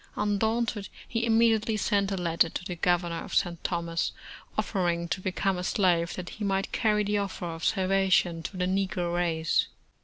Undaunted, he immediately sent a letter to the Governor of St. Thomas, offering to become a slave that he might carry the offer of salva tion to the negro race.